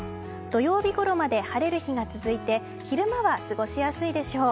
土曜日ごろまで晴れる日が続いて昼間は過ごしやすいでしょう。